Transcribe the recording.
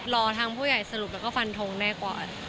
รอทางผู้ใหญ่สรุปแล้วก็ฟันทงแม่ก่อน